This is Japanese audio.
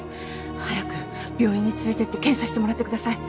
早く病院に連れてって検査してもらってください。